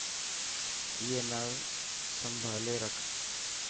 ائي نا سمڀالي رک.